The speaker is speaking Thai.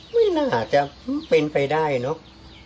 ไม่น่าจะเป็นไปได้เนอะ